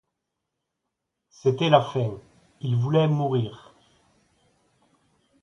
C'était la fin, il voulait mourir.